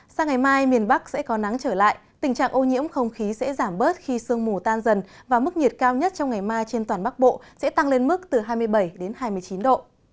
sang ngày mai miền bắc sẽ có nắng trở lại tình trạng ô nhiễm không khí sẽ giảm bớt khi sương mù tan dần và mức nhiệt cao nhất trong ngày mai trên toàn bắc bộ sẽ tăng lên mức từ hai mươi bảy hai mươi chín độ